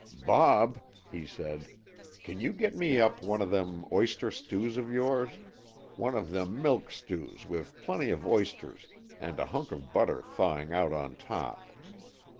"Bob," he said, "can you get me up one of them oyster stews of yours? One of them milk stews, with plenty of oysters and a hunk of butter thawing out on top.